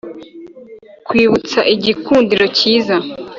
kwibutsa igikundiro cyiza